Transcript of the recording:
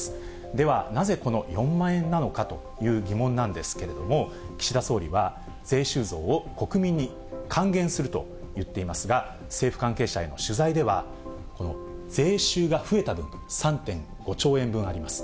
では、なぜこの４万円なのかという疑問なんですけれども、岸田総理は、税収増を国民に還元すると言っていますが、政府関係者への取材では、この税収が増えた分、３．５兆円分あります。